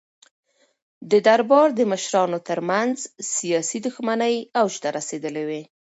د دربار د مشرانو ترمنځ سیاسي دښمنۍ اوج ته رسېدلې وې.